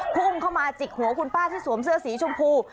พุ่งเข้ามาจิกหัวคุณป้าที่สวมเสื้อสีชมพู